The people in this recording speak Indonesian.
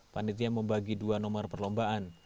panitia membagi dua nomor perlombaan